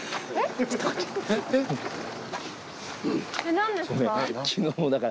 何ですか？